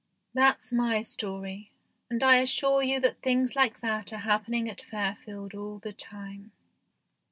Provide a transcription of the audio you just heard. That's my story, and I 'assure you that things like that are happening at Fairfield all the time.